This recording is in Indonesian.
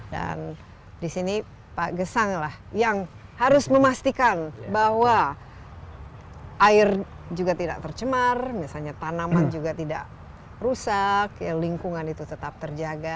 dan disini pak gesang yang harus memastikan bahwa air juga tidak tercemar misalnya tanaman juga tidak rusak lingkungan itu tetap terjaga